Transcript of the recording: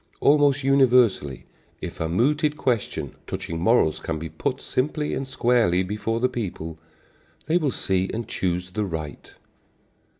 Almost universally, if a mooted question touching morals can be put simply and squarely before the people, they will see and choose the right.